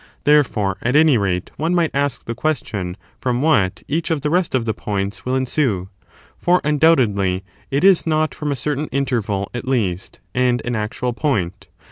Therefore, at any rate, one might ask the question from what each of the rest of the points will ensue 1 for, undoubtedly, it is not from a certain interval, at least, and an actual point.